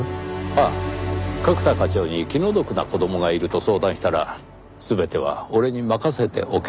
ああ角田課長に気の毒な子供がいると相談したら全ては俺に任せておけと。